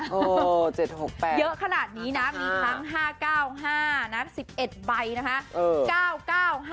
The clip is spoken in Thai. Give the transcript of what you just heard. ๗๖๘เยอะขนาดนี้นะมีทั้ง๕๙๕นะ๑๑ใบนะคะ